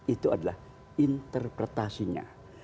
itu adalah interpretasinya